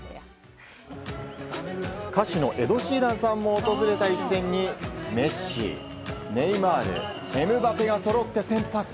歌手のエド・シーランさんも訪れた一戦にメッシ、ネイマール、エムバペがそろって先発。